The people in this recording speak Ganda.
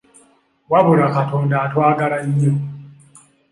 Wabula Katonda atwagala nnyo.